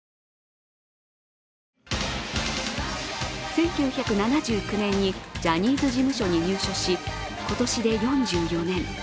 １９７９年にジャニーズ事務所に入所し今年で４４年。